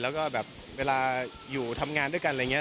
แล้วก็แบบเวลาอยู่ทำงานด้วยกันอะไรอย่างนี้